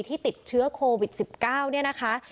ติดเชื้อโควิด๑๙เนี่ยนะคะ